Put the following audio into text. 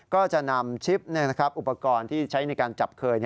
ก็จะนำชิปอุปกรณ์ที่ใช้ในการจับเคย